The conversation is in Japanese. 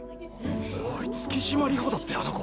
おい月島流星だってあの子。